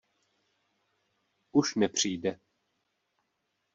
Už nepřijde.